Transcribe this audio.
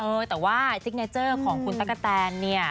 เออแต่ว่าซิกเนเจอร์ของคุณตั๊กกะแตนเนี่ย